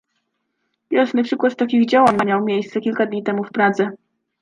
Jasny przykład takich działań miał miejsce kilka dni temu w Pradze